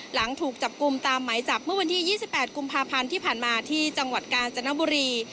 หลังถูกจับกลุ่มตามหมายจับเมื่อวันที่๒๘กุมภาพันธ์ที่ผ่านมาที่จังหวัดกาญจนบุรี